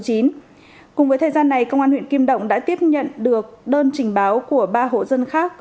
cùng với thời gian này công an huyện kim động đã tiếp nhận được đơn trình báo của ba hộ dân khác